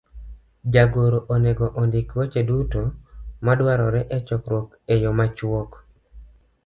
Jagoro onego ondik weche duto madwarore e chokruok e yo machuok,